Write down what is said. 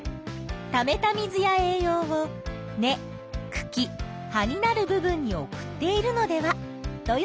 ためた水や栄養を根・くき・葉になる部分に送っているのではと予想したんだね。